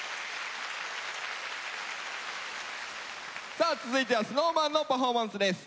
さあ続いてはＳｎｏｗＭａｎのパフォーマンスです。